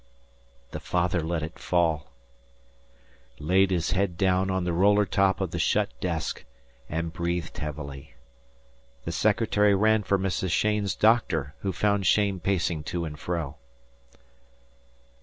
The father let it fall, laid his head down on the roller top of the shut desk, and breathed heavily. The secretary ran for Mrs. Cheyne's doctor who found Cheyne pacing to and fro.